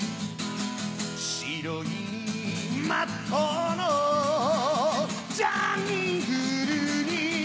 白いマットのジャングルに